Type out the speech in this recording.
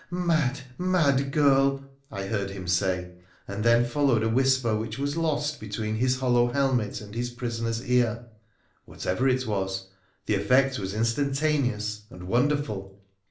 ' Mad, mad girl !' I heard him say, and then followed a whisper which was lost between his hollow helmet and his prisoner's ear. Whatever it was, the effect was instantaneous and wonderful.